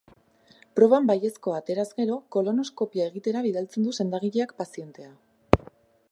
Proban baiezkoa ateraz gero, kolonoskopia egitera bidaltzen du sendagileak pazientea.